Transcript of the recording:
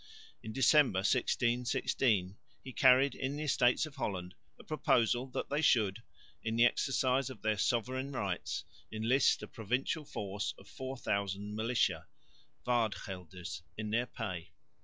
In December, 1616, he carried in the Estates of Holland a proposal that they should, in the exercise of their sovereign rights, enlist a provincial force of 4000 militia (waardgelders) in their pay.